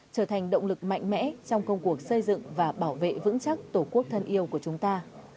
trở thành động lực mạnh mẽ trong công cuộc xây dựng và bảo vệ vững chắc tổ quốc thân yêu của chúng ta